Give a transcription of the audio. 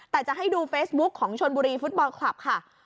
แต่จะให้ดูเฟซบุ๊คของชนบุรีฟุตบอลคลับค่ะ